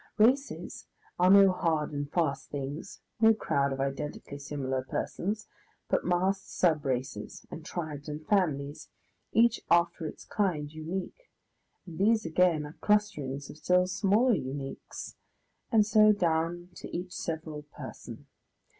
Races are no hard and fast things, no crowd of identically similar persons, but massed sub races, and tribes and families, each after its kind unique, and these again are clusterings of still smaller uniques and so down to each several person.